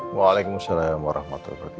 waalaikumsalam warahmatullahi wabarakatuh